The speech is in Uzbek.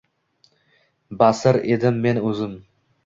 Basir edim men o’zim.